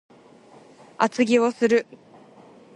厚着をする